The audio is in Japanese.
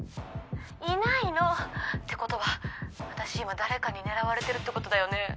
いないの！ってことは私今誰かに狙われてるってことだよね？